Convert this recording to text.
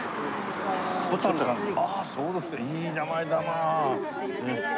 いい名前だなあ。